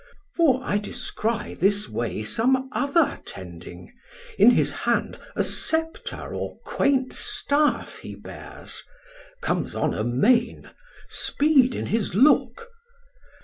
1300 For I descry this way Some other tending, in his hand A Scepter or quaint staff he bears, Comes on amain, speed in his look.